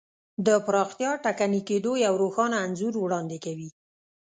د پراختیا ټکني کېدو یو روښانه انځور وړاندې کوي.